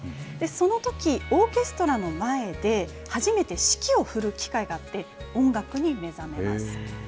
そのとき、オーケストラの前で初めて指揮を振る機会があって、音楽に目覚めます。